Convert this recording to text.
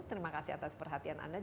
terima kasih atas perhatian anda